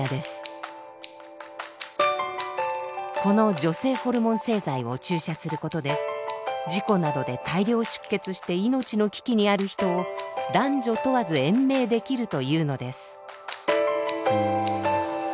この女性ホルモン製剤を注射することで事故などで大量出血して命の危機にある人を男女問わず延命できるというのです。